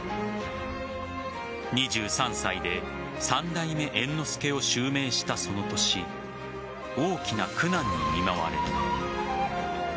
２３歳で三代目猿之助を襲名したその年大きな苦難に見舞われる。